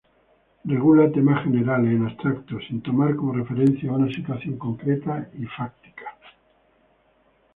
Regula temas generales, en abstracto sin tomar como referencia una situación concreta y fáctica.